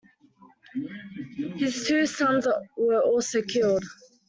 His two sons were also killed.